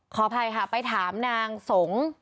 ขออภัยค่ะไปถามนางสงฆ์